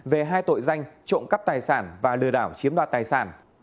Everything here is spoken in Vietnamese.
về hai tội danh trộm cắp tài sản và lừa đảo chiếm đoạt tài sản